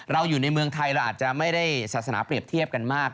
เราอยู่ในเมืองไทยเราอาจจะไม่ได้ศาสนาเปรียบเทียบกันมาก